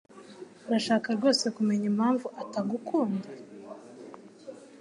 Urashaka rwose kumenya impamvu atagukunda?